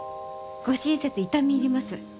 ご親切痛み入ります。